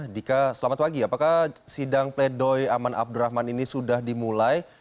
dika selamat pagi apakah sidang pledoy aman abdurrahman ini sudah dimulai